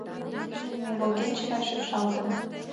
Ӱйлымӧ волгенче гай шикшалтын.